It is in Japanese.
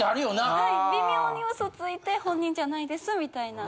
はい微妙にウソついて本人じゃないですみたいな。